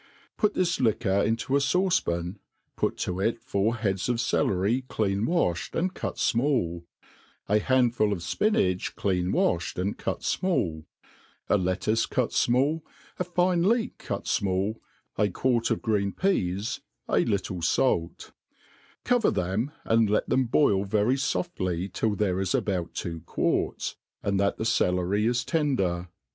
. Put this liquor into a f^uce pan; put to it four heads of celery clean wa(hed and cut fmall, a handful of fpinach clean waihed and cut fmalU a lettuce cutfoiall, a fine Itek cut fmall^ a quart of green peas, a little falc ; cover them, and let them l)oil very fofcly till there is anout two quarts, and that the ce lery is tender.